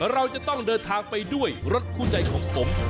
เราจะต้องเดินทางไปด้วยรถคู่ใจของผม